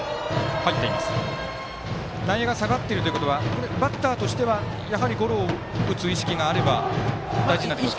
内野が下がっているということはバッターとしてはやはりゴロを打つ意識が大事にありますか。